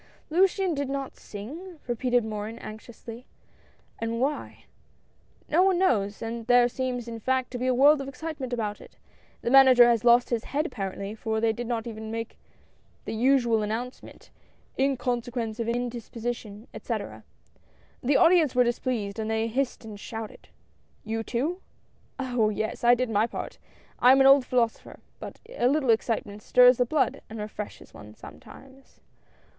'^Luciane did not sing?" repeated Morin anx iously, " and why ?" "No one knows, and there seems, in fact, to be a world of excitement about it. The Manager has lost his head apparently, for they did not even make the usual announcement — 'in consequence of indisposi tion,' etc. The audience were displeased, and they hissed and shouted " "You too?" " Oh ! yes, I did my part. I am an old philosopher, but a little excitement stirs the blood, and refreshes one sometimes